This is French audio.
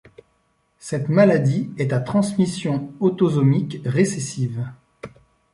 Cette maladie est à transmission autosomique récessive.